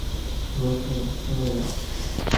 রোশনি, শুনে যা।